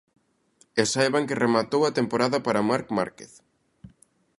E saiban que rematou a temporada para Marc Márquez.